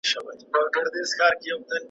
کرشمه ده زما د حسن چي جوړېږي محلونه `